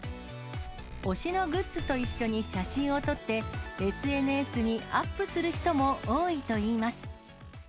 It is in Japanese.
推しのグッズと一緒に写真を撮って、ＳＮＳにアップする人も多いといいます。